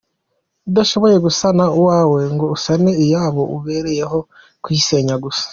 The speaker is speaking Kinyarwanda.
Udashoboye gusana uwawe ngo usane iyabo, ubereye ho kuyisenya gusa?